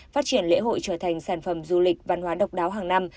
phát triển lễ hội trở thành sản phẩm du lịch văn hóa độc đáo hàng năm